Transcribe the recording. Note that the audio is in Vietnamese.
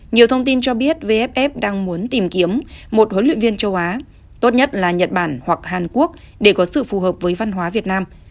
nhiều thông tin cho biết vff đang muốn tìm kiếm một huấn luyện viên châu á tốt nhất là nhật bản hoặc hàn quốc để có sự phù hợp với văn hóa việt nam